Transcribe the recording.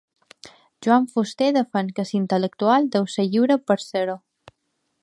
Joan Fuster defèn que l'intel·lectual deu ser lliure per a ser-lo.